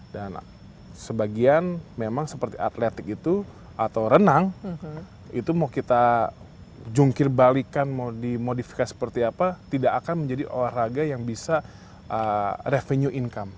dan sebagian memang seperti atletik itu atau renang itu mau kita jungkir balikan mau dimodifikasi seperti apa tidak akan menjadi olahraga yang bisa revenue income